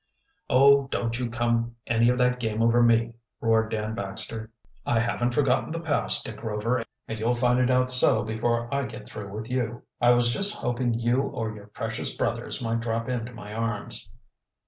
"Oh, don't you come any of that game over me!" roared Dan Baxter. "I haven't forgotten the past, Dick Rover, and you'll find it out so before I get through with you. I was just hoping you or your precious brothers might drop into my arms."